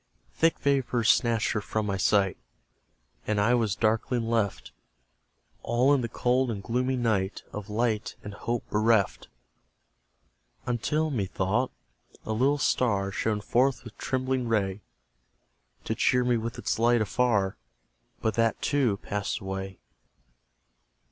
Thick vapours snatched her from my sight, And I was darkling left, All in the cold and gloomy night, Of light and hope bereft: Until, methought, a little star Shone forth with trembling ray, To cheer me with its light afar But that, too, passed away.